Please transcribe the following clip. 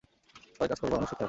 তাদের কাজ করবার অনেক শক্তি আছে।